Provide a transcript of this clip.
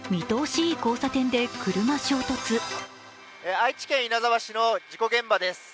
愛知県稲沢市の事故現場です。